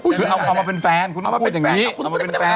คุณเอามาเป็นแฟนคุณเอามาเป็นแฟน